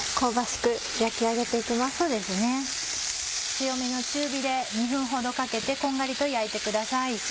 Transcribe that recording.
強めの中火で２分ほどかけてこんがりと焼いてください。